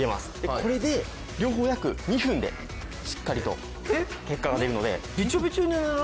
これで両方約２分でしっかりと結果が出るので。